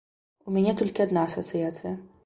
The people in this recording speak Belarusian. У мяне толькі адна асацыяцыя.